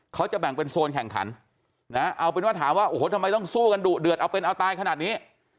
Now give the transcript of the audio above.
เขาจะแบ่งเป็นโซนแข่งขันนะเอาเป็นว่าถามว่าโอ้โหทำไมต้องสู้กันดุเดือดเอาเป็นเอาตายขนาดนี้